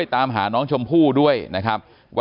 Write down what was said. ที่มีข่าวเรื่องน้องหายตัว